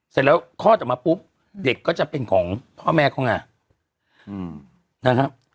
เสร็จแล้วคลอดออกมาปุ๊บเด็กก็จะเป็นของพ่อแม่เขาไงนะครับ